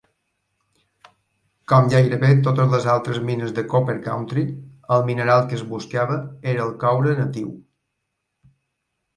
Com gairebé totes les altres mines de Copper Country, el mineral que es buscava era el coure natiu.